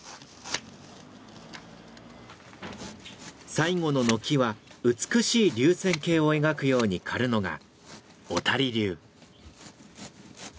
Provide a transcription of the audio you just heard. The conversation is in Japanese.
最後の軒は美しい流線形を描くように刈るのが小谷流。